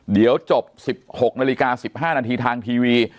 เดี๋ยวจบ๑๖นาฬิกา๑๕นาทีทางทีวี